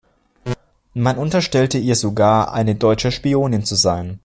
Man unterstellte ihr sogar, eine deutsche Spionin zu sein.